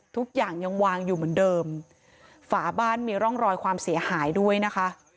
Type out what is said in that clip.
ทุกอย่างยังวางอยู่เหมือนเดิมฝาบ้านมีร่องรอยความเสียหายด้วยนะคะ